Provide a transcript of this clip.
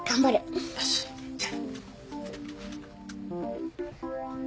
よしじゃ。